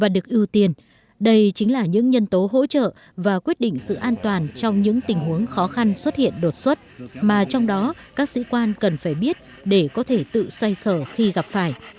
đây chính là những nhân tố hỗ trợ và quyết định sự an toàn trong những tình huống khó khăn xuất hiện đột xuất mà trong đó các sĩ quan cần phải biết để có thể tự xoay sở khi gặp phải